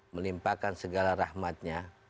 melimpahkan segala rahmatnya